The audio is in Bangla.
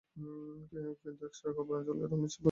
কিন্তু এক্সট্রা কভার অঞ্চলে রমিজ রাজা’র সহজ ক্যাচ ছেড়ে দেন।